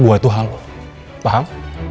buat aku kan